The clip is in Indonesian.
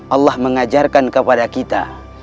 allah mengajarkan kepada kita